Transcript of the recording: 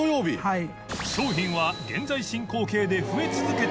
はい。